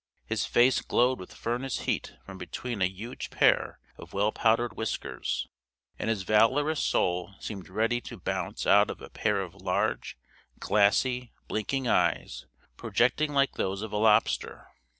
His face glowed with furnace heat from between a huge pair of well powdered whiskers; and his valorous soul seemed ready to bounce out of a pair of large, glassy, blinking eyes, projecting like those of a lobster.